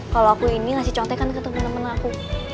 kalau aku ini ngasih contekan ke temen temen aku